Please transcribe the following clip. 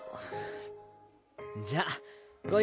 じゃあご